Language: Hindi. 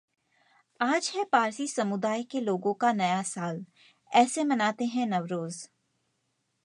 आज है पारसी समुदाय के लोगों का नया साल, ऐसे मनाते हैं नवरोज